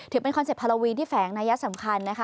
คอเป็นคอนเซ็ตฮาโลวีนที่แฝงนัยสำคัญนะคะ